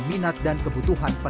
bahkan di sisi sumber